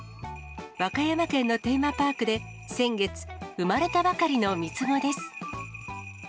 和歌山県のテーマパークで、先月、生まれたばかりの３つ子です。